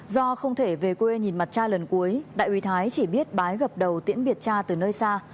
do không thể về quê nhìn mặt cha lần cuối đại úy thái chỉ biết bái gập đầu tiễn biệt cha từ nơi xa